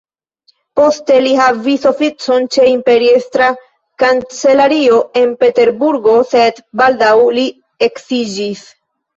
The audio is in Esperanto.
Poste li havis oficon ĉe imperiestra kancelario en Peterburgo, sed baldaŭ li eksiĝis.